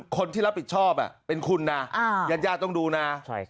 คนที่รับผิดชอบเป็นคุณนะญาติญาติต้องดูนะ